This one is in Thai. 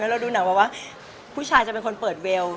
เราดูหนังแบบว่าผู้ชายจะเป็นคนเปิดเวล